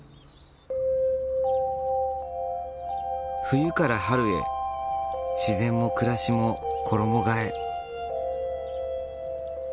冬から春へ自然も暮らしも衣がえ。